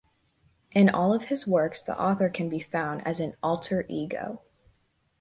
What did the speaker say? In all of his works, the author can be found as an "alter ego.”